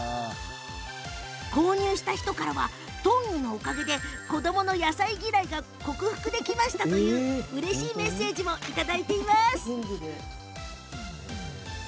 購入した人からはトングのおかげで子どもの野菜嫌いが克服できましたといううれしいメッセージもいただいております。